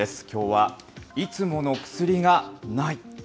きょうは、いつもの薬がない！